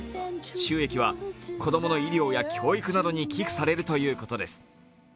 収益は子供の医療や教育などに寄付されるということです。